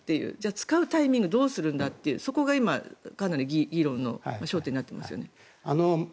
使うタイミングをどうするのかというのが今、かなり議論の焦点になっていますよね。